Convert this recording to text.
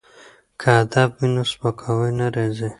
که ادب وي نو سپکاوی نه راځي.